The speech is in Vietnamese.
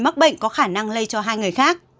mắc bệnh có khả năng lây cho hai người khác